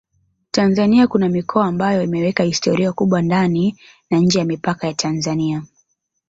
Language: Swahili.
Tanzania kuna mikoa ambayo imeweka historia kubwa ndani na nje ya mipaka ya Tanzania